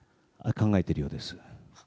考えているようです。